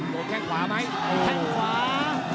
โกหกแข้งกวาแข้งควา